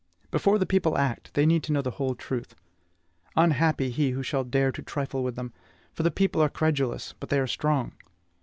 Before the people act, they need to know the whole truth. Unhappy he who shall dare to trifle with them! For the people are credulous, but they are strong.